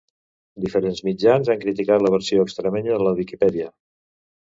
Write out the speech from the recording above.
Diferents mitjans han criticat la versió extremenya de la Viquipèdia.